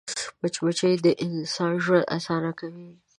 مچمچۍ د انسان ژوند اسانه کوي